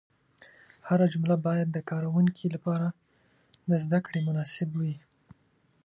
هره جمله باید د کاروونکي لپاره د زده کړې مناسب وي.